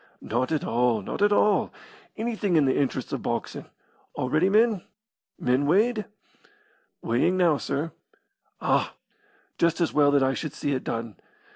"Not at all. Not at all. Anything in the interests of boxin'. All ready? Men weighed?" "Weighing now, sir." "Ah! Just as well that I should see it done.